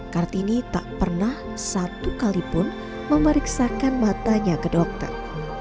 kartini tak pernah satu kalipun memeriksakan matanya ke dokter